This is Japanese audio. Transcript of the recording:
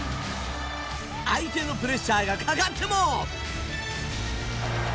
相手のプレッシャーがかかっても。